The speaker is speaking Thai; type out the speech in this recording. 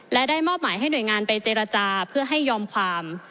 และได้มอบหมายให้หน่วยงานไปเจรจาเพื่อให้ยอมความ